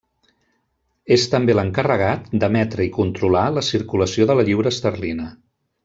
És també l'encarregat d'emetre i controlar la circulació de la lliura esterlina.